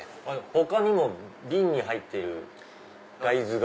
他にも瓶に入ってる大豆が。